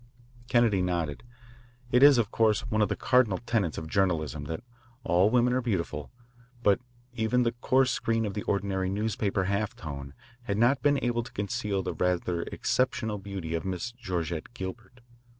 Kennedy nodded. It is, of course, one of the cardinal tenets of journalism that all women are beautiful, but even the coarse screen of the ordinary newspaper half tone had not been able to conceal the rather exceptional beauty of Miss Georgette Gilbert.